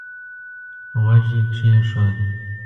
غوږ يې کېښود.